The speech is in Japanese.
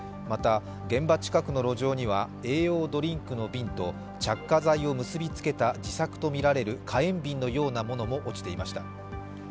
また、現場近くの路上には栄養ドリンクの瓶と、着火剤を結びつけた自作とみられる火炎瓶のようなものも落ちていました。